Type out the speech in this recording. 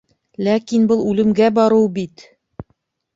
— Ләкин был үлемгә барыу бит!